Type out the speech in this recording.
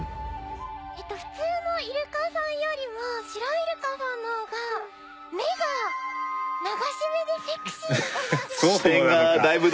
普通のイルカさんよりもシロイルカさんの方が目が流し目でセクシーな気がします。